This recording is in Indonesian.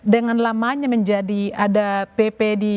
dengan lamanya menjadi ada pp di dua ribu enam belas